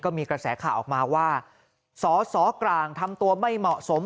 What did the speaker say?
มีกระแสข่าวออกมาว่าสอสอกลางทำตัวไม่เหมาะสม